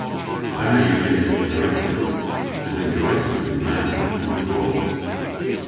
Da yw genev karetys mes an garetysen ma yw drog.